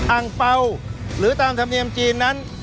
อังเปล่าหรือตามธรรมเนียมจีนนั้น